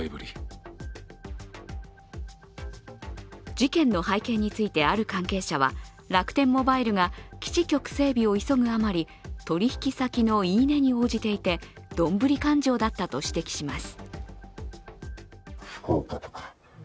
事件の背景について、ある関係者は、楽天モバイルが基地局整備を急ぐあまり、取引先の言い値に応じていて、どんぶり勘定だったと指摘します。